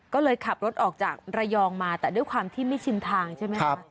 ก็เลยขับรถออกจากระยองมาแต่ด้วยความที่ไม่ชินทางใช่ไหมคะ